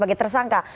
agak lembek sih